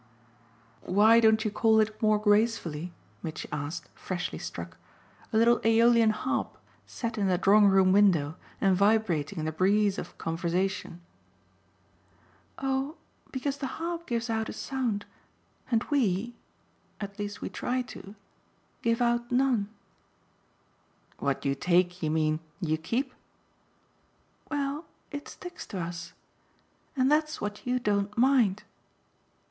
"Why don't you call it more gracefully," Mitchy asked, freshly struck, "a little aeolian harp set in the drawing room window and vibrating in the breeze of conversation?" "Oh because the harp gives out a sound, and WE at least we try to give out none." "What you take, you mean, you keep?" "Well, it sticks to us. And that's what you don't mind!"